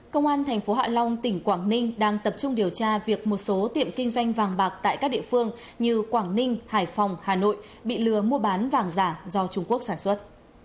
công an thành phố hạ long tỉnh quảng ninh đang tập trung điều tra việc một số tiệm kinh doanh vàng bạc tại các địa phương như quảng ninh hải phòng hà nội bị lừa mua bán vàng giả do trung quốc sản xuất